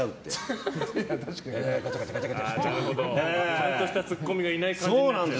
ちゃんとしたツッコミがいない感じで。